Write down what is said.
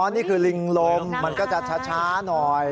นี่คือลิงลมมันก็จะช้าหน่อย